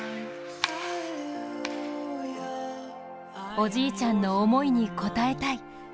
おじいちゃんの思いに応えたい。